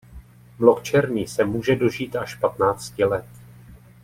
Mlok černý se může dožít až patnácti let.